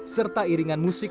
serta iringan musik